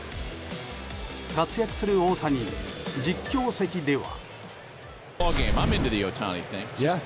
活躍する大谷に実況席では。